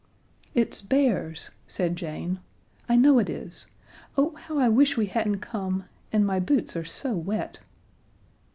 "It's bears," said Jane. "I know it is. Oh, how I wish we hadn't come; and my boots are so wet."